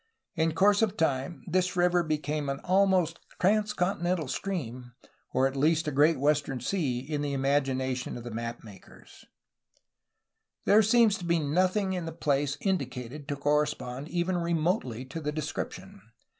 In course of time this river be came an almost transcontinental stream, or at the least a great western sea, in the imaginations of the mapmakers. 138 A HISTORY OF CALIFORNIA There seems to be nothing in the place indicated to cor respond even remotely to the description.